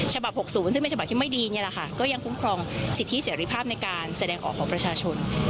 ฉบับ๖๐ซึ่งเป็นฉบับที่ไม่ดีนี่แหละค่ะก็ยังคุ้มครองสิทธิเสรีภาพในการแสดงออกของประชาชน